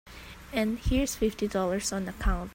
And here's fifty dollars on account.